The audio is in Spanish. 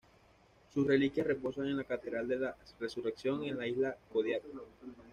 Sus reliquias reposan en la Catedral de la Resurrección en la isla de Kodiak.